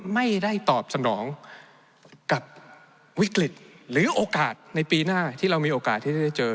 ไม่ได้ตอบสนองกับวิกฤตหรือโอกาสในปีหน้าที่เรามีโอกาสที่จะได้เจอ